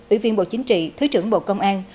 ủy viên bộ chính trị thứ trưởng bộ công an